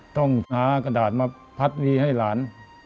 ต้องหากระดาษมาพัดวีให้หลาน